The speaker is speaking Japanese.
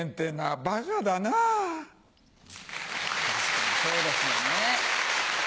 確かにそうですよね。